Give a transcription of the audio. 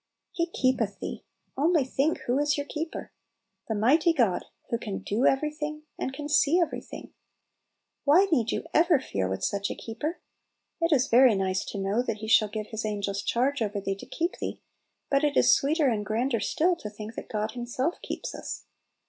He "keepeth thee"; only think who is your Keeper ! the mighty God, who can do every' thing, and can see every thing. Why need you ever fear with Little Pillows. 21 such a Keeper? It is very nice to know that "He shall give His angels charge over thee to keep thee "; but it is sweeter and grander still to think , that God Himself keeps us.